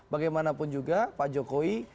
bagaimanapun juga pak jokowi